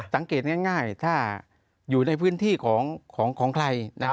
สังเกตง่ายถ้าอยู่ในพื้นที่ของใคร